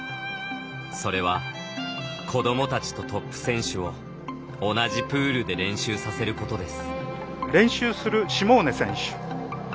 それは子どもたちとトップ選手を同じプールで練習させることです。